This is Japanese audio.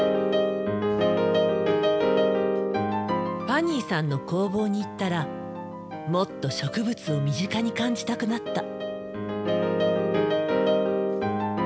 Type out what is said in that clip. ファニーさんの工房に行ったらもっと植物を身近に感じたくなった。